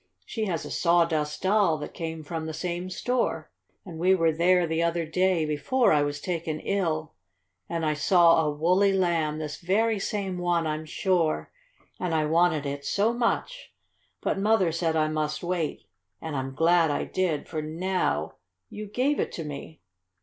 She has a Sawdust Doll that came from the same store. And we were there the other day, before I was taken ill, and I saw a woolly lamb this very same one, I'm sure and I wanted it so much! But Mother said I must wait, and I'm glad I did, for now you gave it to me."